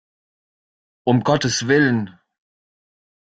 Um Gottes Willen!